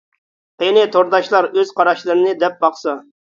قېنى تورداشلار ئۆز قاراشلىرىنى دەپ باقسا.